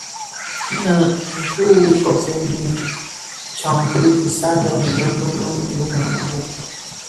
Nnè ikuu nwu kopsèn dhi tsak ki isal den denden lön bi fyoma fifog.